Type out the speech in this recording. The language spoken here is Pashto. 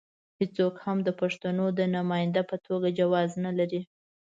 هېڅوک هم د پښتنو د نماینده په توګه جواز نه لري.